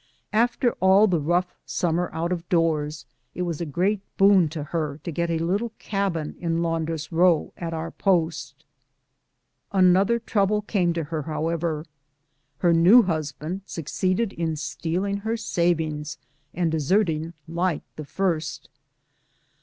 After all the rough summer out of doors, it was a great boon to her to get a little cabin in Laundress Row, at our post. Another trouble came to her, however : her new husband succeeded in stealing her savings and deserting like the first.